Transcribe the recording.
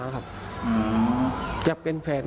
ครับอยู่คนเดียว